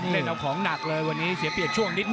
เล่นเอาของหนักเลยวันนี้เสียเปรียบช่วงนิดนึ